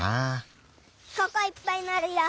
ここいっぱいなるよ。